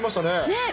ねえ。